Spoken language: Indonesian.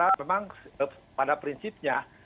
yang pertama tentang kuasa memang pada prinsipnya